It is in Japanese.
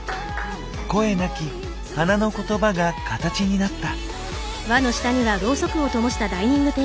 声なき花の言葉がカタチになった。